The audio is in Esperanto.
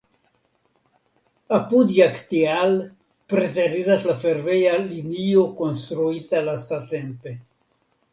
Apud Jagtial preteriras la fervoja linio konstruita lastatempe.